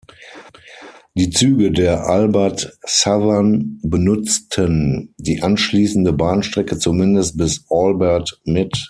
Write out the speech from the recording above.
Die Züge der Albert Southern benutzten die anschließende Bahnstrecke zumindest bis Albert mit.